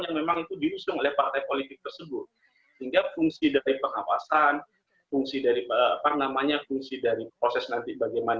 yang memang itu diusung oleh partai politik tersebut hingga fungsi dari pengawasan fungsi dari